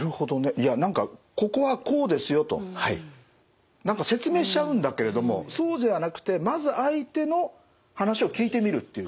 いや何かここはこうですよと。何か説明しちゃうんだけれどもそうじゃなくてまず相手の話を聞いてみるという。